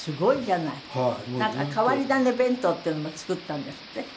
なんか変わり種弁当っていうのも作ったんですって？